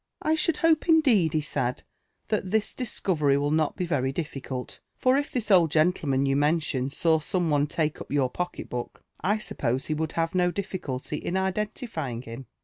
<* I should hope, indeed/' he said, " that this discovery will not be Tory difficult ; for if this old gentleman yon mention saw some one take up your pocket book, 1 suppose ho would have no difficulty in identifying him."